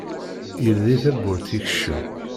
Yeldi tawwurt yekcem.